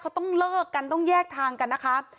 เขาต้องเลิกกันต้องแยกทางกันนะคะ